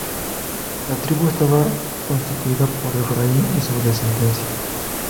La tribu estaba constituida por Efraín y su descendencia.